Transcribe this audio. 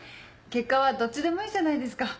結果はどっちでもいいじゃないですか。